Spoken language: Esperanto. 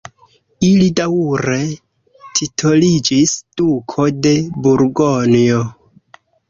Ili daŭre titoliĝis duko de Burgonjo.